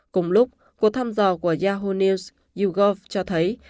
cùng lúc cuộc thăm dò của yahoo news yougov cho thấy